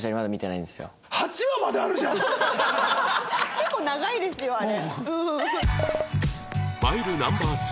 結構長いですよあれ。